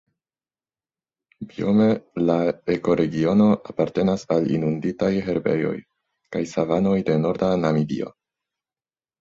Biome la ekoregiono apartenas al inunditaj herbejoj kaj savanoj de norda Namibio.